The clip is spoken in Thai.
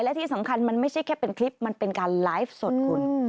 และที่สำคัญมันไม่ใช่แค่เป็นคลิปมันเป็นการไลฟ์สดคุณ